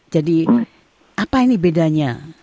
jadi apa ini bedanya